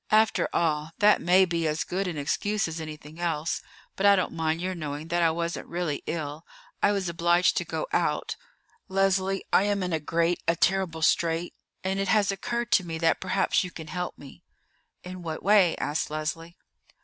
"After all, that may be as good an excuse as anything else; but I don't mind your knowing that I wasn't really ill. I was obliged to go out. Leslie, I am in a great, a terrible strait, and it has occurred to me that perhaps you can help me." "In what way?" asked Leslie.